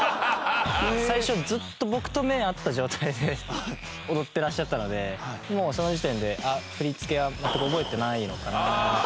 最初ずっと僕と目合った状態で踊ってらっしゃったのでもうその時点で振り付けは全く覚えてないのかなと。